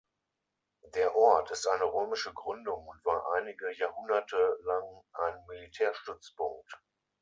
Der Ort ist eine römische Gründung und war einige Jahrhunderte lang ein Militärstützpunkt.